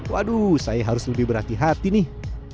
waduh saya harus lebih berhati hati nih